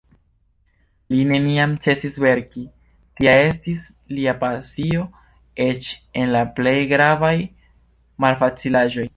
Li neniam ĉesis verki, tia estis lia pasio eĉ en la plej gravaj malfacilaĵoj.